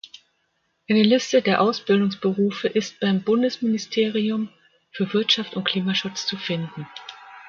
Eine Liste der Ausbildungsberufe ist beim Bundesministerium für Wirtschaft und Klimaschutz zu finden.